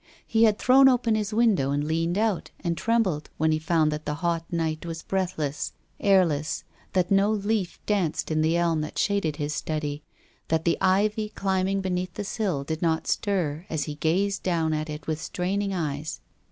He had thrown open his window and leaned out, and trembled, when he found that the hot night was breathless, airless, that no leaf danced in the elm that shaded his study, that the ivy climbing beneath the sill did not stir as he gazed down at it with straining eyes.